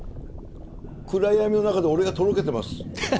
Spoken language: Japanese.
暗闇の中で俺がとろけてます。